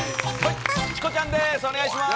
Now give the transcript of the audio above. チコちゃんです。